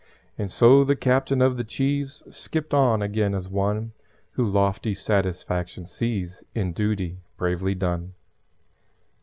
And so the Captain of the Cheese Skipped on again as one Who lofty satisfaction sees In duty bravely done.